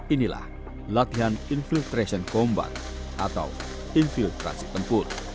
inilah latihan infiltrasi kombat atau infiltrasi tempur